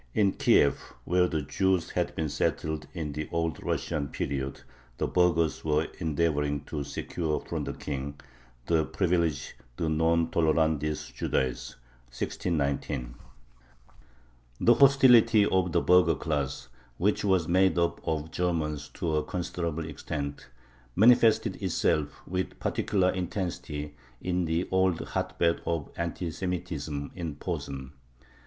In Kiev, where the Jews had been settled in the Old Russian period, the burghers were endeavoring to secure from the King the privilege de non tolerandis Judaeis (1619). The hostility of the burgher class, which was made up of Germans to a considerable extent, manifested itself with particular intensity in the old hotbed of anti Semitism, in Posen.